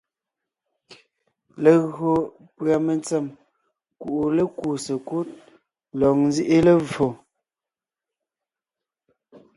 Legÿo pʉ́a mentsèm kuʼu lékúu sekúd lɔg nzíʼi levfò,